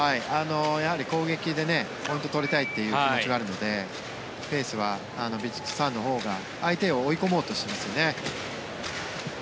やはり攻撃でポイントを取りたいという気持ちはあるのでペースはヴィチットサーンのほうが相手を追い込もうとしてますよね。